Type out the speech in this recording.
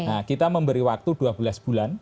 nah kita memberi waktu dua belas bulan